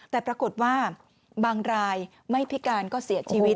แต่ปรากฏว่าบางรายไม่พิการก็เสียชีวิต